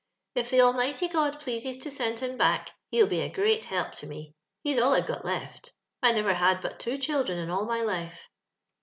" If the Almighty God pleases to send him back, he'U be a great help to me. He's all I've got left. I never had but two children in all my life.